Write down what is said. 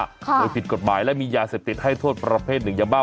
โดยผิดกฎหมายและมียาเสพติดให้โทษประเภทหนึ่งยาบ้า